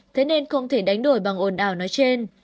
thế nên không thể đánh đổi bằng ổn ảo nói trên